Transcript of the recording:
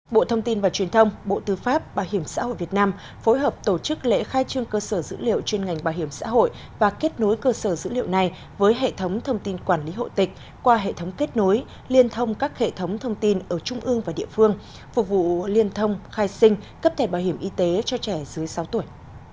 bộ thông tin và truyền thông bộ tư pháp bảo hiểm xã hội việt nam phối hợp tổ chức lễ khai trương cơ sở dữ liệu trên ngành bảo hiểm xã hội và kết nối cơ sở dữ liệu này với hệ thống thông tin quản lý hộ tịch qua hệ thống kết nối liên thông các hệ thống thông tin ở trung ương và địa phương phục vụ liên thông khai sinh cấp thẻ bảo hiểm y tế cho trẻ dưới sáu tuổi